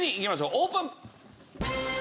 オープン！